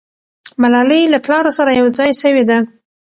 ملالۍ له پلاره سره یو ځای سوې ده.